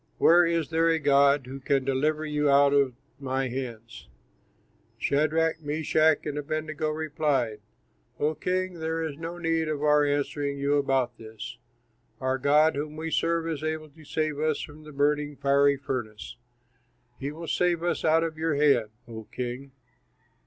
Where is there a god who can deliver you out of my hands?" Shadrach, Meshach, and Abednego replied, "O king, there is no need of our answering you about this. Our God whom we serve is able to save us from the burning, fiery furnace; he will save us out of your hand, O king.